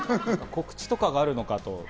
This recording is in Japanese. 告知とかがあるのかと。